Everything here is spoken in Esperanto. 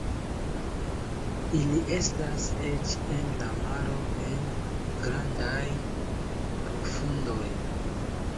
Ili estas eĉ en la maro en grandaj profundoj.